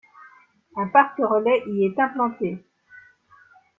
Un parc relais y est implanté.